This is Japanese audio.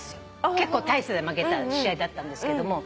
結構大差で負けた試合だったんですけども。